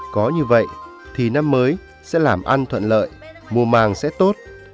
có như vậy thì năm mới sẽ làm ăn thuận lợi mùa màng sẽ tốt